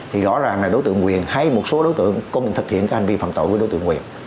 thì rõ ràng là đối tượng quyền hay một số đối tượng có thể thực hiện các hành vi phạm tội với đối tượng quyền